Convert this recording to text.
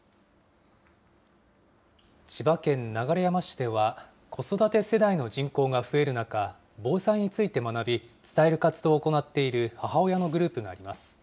千葉県流山市では、子育て世代の人口が増える中、防災について学び、伝える活動を行っている母親のグループがあります。